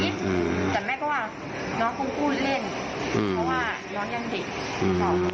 เพราะว่าผีนิดแต่แม่ก็ว่าน้องคงพูดเล่นเพราะว่าย้อนยังเด็ก